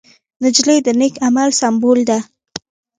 نجلۍ د نېک عمل سمبول ده.